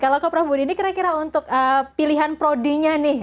kalau ke prof budi ini kira kira untuk pilihan prodinya nih